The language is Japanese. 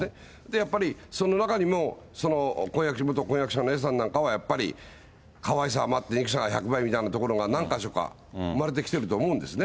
やっぱり、その中にもその元婚約者のＡさんなんかはやっぱり、かわいさ余って憎さが１００倍みたいなところが何か所か生まれてきてると思うんですね。